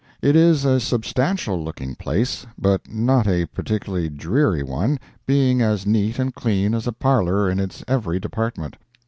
It is a substantial looking place, but not a particularly dreary one, being as neat and clean as a parlor in its every department.